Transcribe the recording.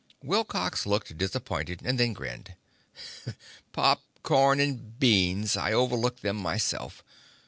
Wilcox looked disappointed, and then grinned. "Pop corn and beans. I overlooked them myself.